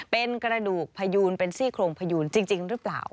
เป็นกระดูกพยูนเป็นซี่โครงพยูนจริงหรือเปล่า